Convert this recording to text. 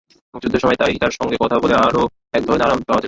মুক্তিযুদ্ধের সময় তাই তার সঙ্গে কথা বলে আরও একধরনের আরাম পাওয়া যেত।